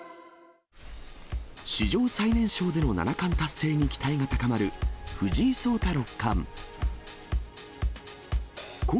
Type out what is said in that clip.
史上最年少での七冠達成に期待が高まる、藤井聡太六冠。